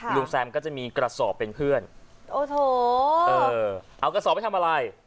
แซมก็จะมีกระสอบเป็นเพื่อนโอ้โหเออเอากระสอบไปทำอะไร